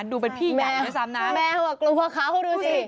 ดูเป็นพี่แมวด้วยซ้ำนะแมวอ่ะกลัวเขาดูสิ